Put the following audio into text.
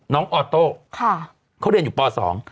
น้องออโต้เขาเรียนอยู่ป๒ค่ะค่ะ